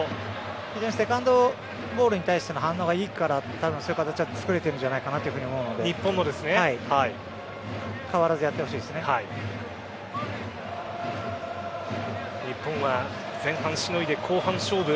非常にセカンドボールに対しての反応がいいからそういう形が作れているんじゃないかと思うので日本は前半しのいで後半勝負。